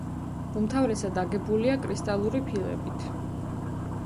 უმთავრესად აგებულია კრისტალური ფილებით.